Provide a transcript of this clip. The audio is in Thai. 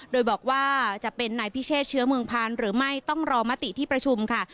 โดยบอกว่าจะเป็นนายพิเชษเชื้อเมืองพานหรือไม่ต้องรอมติที่ประชุมค่ะ